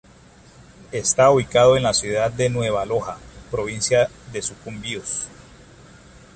Está ubicado en la ciudad de Nueva Loja, provincia de Sucumbíos.